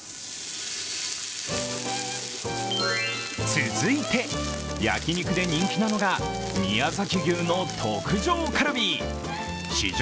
続いて、焼き肉で人気なのが宮崎牛焼肉弁当。